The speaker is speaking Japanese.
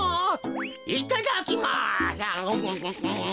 いただきます。